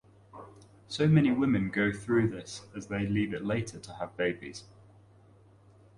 So many women go through this as they leave it later to have babies.